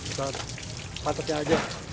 tidak patutnya saja